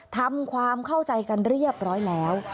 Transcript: ทำความเข้าใจกันเรียบร้อยแล้ว